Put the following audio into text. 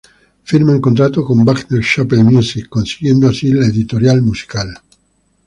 Firman contrato con Warner Chappell Music, consiguiendo así la editorial musical.